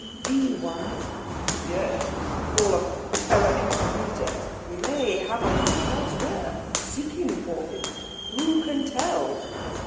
"The one?" "Yes. It is all a terra incognita. He may have a wife elsewhere, seeking for him. Who can tell?"